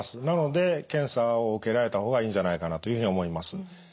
なので検査を受けられた方がいいんじゃないかなというふうに思います。